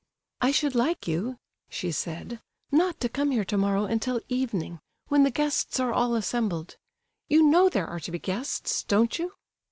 "I should like you," she said, "not to come here tomorrow until evening, when the guests are all assembled. You know there are to be guests, don't you?"